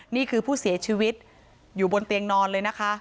นี่คือผู้เสียชีวิตอยู่บนเตียงนอนเลยนะคะ